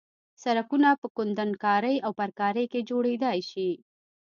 سرکونه په کندنکارۍ او پرکارۍ کې جوړېدای شي